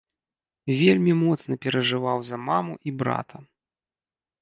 Вельмі моцна перажываў за маму і брата.